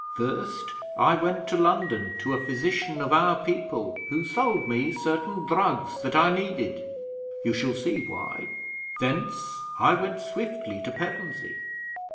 First I went to London, to a physician of our people, who sold me certain drugs that I needed. You shall see why. Thence I went swiftly to Pevensey.